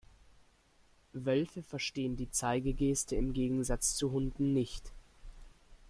Wölfe verstehen die Zeigegeste im Gegensatz zu Hunden nicht.